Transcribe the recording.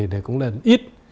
để cũng là ít